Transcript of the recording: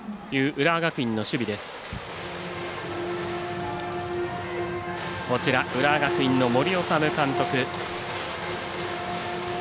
浦和学院の森士監督。